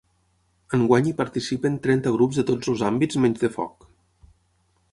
Enguany hi participen trenta grups de tots els àmbits menys de foc.